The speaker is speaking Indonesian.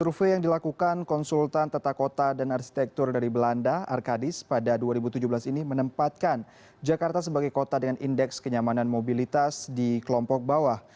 survei yang dilakukan konsultan tata kota dan arsitektur dari belanda arkadis pada dua ribu tujuh belas ini menempatkan jakarta sebagai kota dengan indeks kenyamanan mobilitas di kelompok bawah